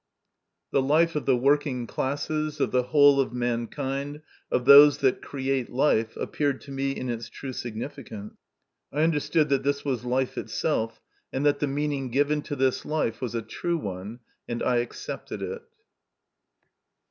The life of the working classes, of the whole of mankind, of those that create life, appeared to me in its true significance. I understood that this was life itself, and that the meaning given to this life was a true one, and I accepted it.